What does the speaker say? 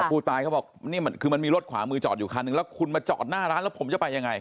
เขาบอกนี่มันคือมันมีรถขวามือจอดอยู่คันหนึ่งแล้วคุณมาจอดหน้าร้านแล้วผมจะไปยังไง